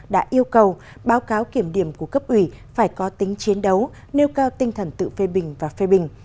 đã yêu cầu báo cáo kiểm điểm của cấp ủy phải có tính chiến đấu nêu cao tinh thần tự phê bình và phê bình